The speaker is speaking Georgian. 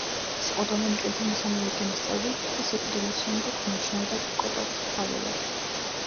ის იყო დომინიკელთა მესამე ორდენის წევრი და სიკვდილის შემდეგ მიიჩნეოდა კოტორის მფარველად.